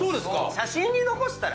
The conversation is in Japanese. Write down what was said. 写真に残したら。